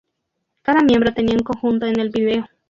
Cada miembro tenía un conjunto en el vídeo.